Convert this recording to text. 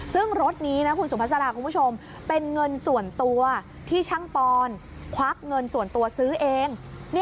ซึ่งรถนี้นะคุณสุภาษาคุณผู้ชมเป็นเงินส่วนตัวที่ช่างปอนควักเงินส่วนตัวซื้อเอง